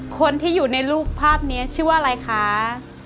คนที่อยู่ในรูปภาพนี้ชื่อว่าอะไรคะ